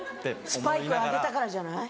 スパイクあげたからじゃない？